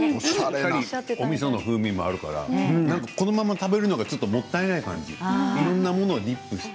みその風味もあるからこのまま食べるのももったいない感じいろんなものをディップして。